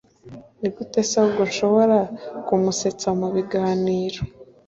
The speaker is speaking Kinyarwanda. Ni gute se ahubwo nshobora kumusetsa mu biganiro